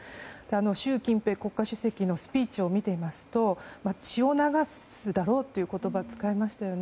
習近平国家主席のスピーチを見ていますと血を流すだろうという言葉を使いましたよね。